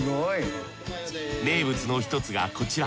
名物の一つがこちら。